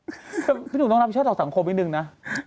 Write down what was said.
เป็นการนำเรื่องพิชาต่อสังคมอีกนึงนะเป็นการนำเรื่องพิชาต่อสังคมอีกนึงนะ